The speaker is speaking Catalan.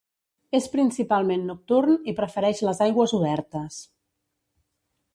És principalment nocturn i prefereix les aigües obertes.